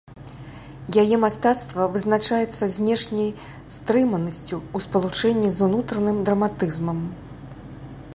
Яе мастацтва вызначаецца знешняй стрыманасцю ў спалучэнні з унутраным драматызмам.